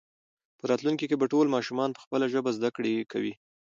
په راتلونکي کې به ټول ماشومان په خپله ژبه زده کړه کوي.